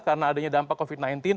karena adanya dampak covid sembilan belas